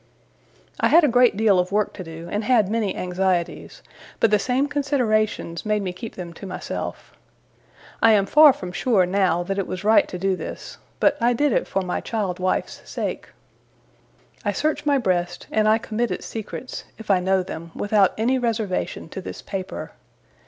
I had a great deal of work to do, and had many anxieties, but the same considerations made me keep them to myself. I am far from sure, now, that it was right to do this, but I did it for my child wife's sake. I search my breast, and I commit its secrets, if I know them, without any reservation to this paper.